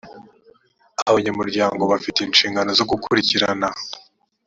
abanyamuryango bafite inshingano zo gukurikirana